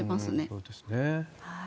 そうですね。